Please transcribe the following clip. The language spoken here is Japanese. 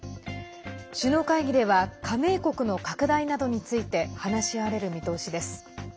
首脳会議では加盟国の拡大などについて話し合われる見通しです。